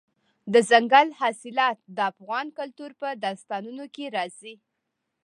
دځنګل حاصلات د افغان کلتور په داستانونو کې راځي.